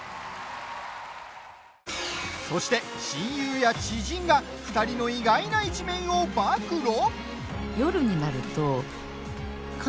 そして、親友や知人が２人の意外な一面を暴露？